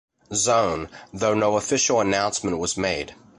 Zone, though no official announcement was made.